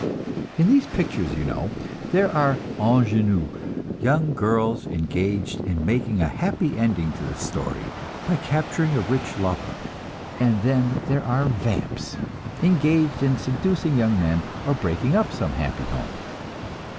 In these pictures, you know, there are "ingenues," young girls engaged in making a happy ending to the story by capturing a rich lover; and then there are "vamps," engaged in seducing young men, or breaking up some happy home.